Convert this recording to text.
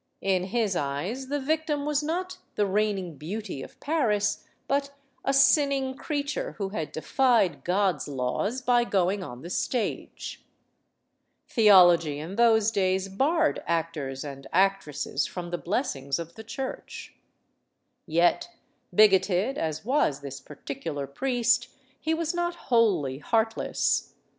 In his eyes, the victim was not the reigning beauty of ADRIENNE LECOUVREUR 133 Paris, but a sinning creature who had defied God's laws by going on the stage. Theology in those days barred actors and actresses from the blessings of the Church. Yet, bigoted as was this particular priest, he was not wholly heartless.